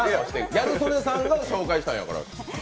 ギャル曽根さんが紹介したんやから。